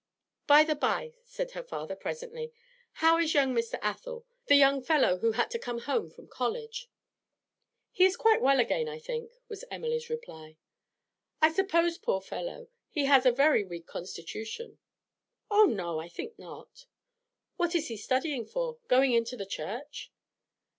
'By the bye,' said her father presently, 'how is young Mr. Athel, the young fellow who had to come home from college?' 'He is quite well again, I think,' was Emily's reply. 'I suppose, poor fellow, he has a very weak constitution?' 'Oh no, I think not.' 'What is he studying for? Going into the Church?'